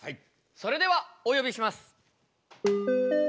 それではお呼びします。